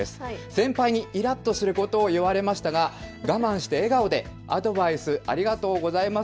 先輩にイラッとすることを言われましたが我慢して笑顔でアドバイスありがとうございます